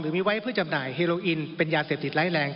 มีไว้เพื่อจำหน่ายเฮโลอินเป็นยาเสพติดไร้แรง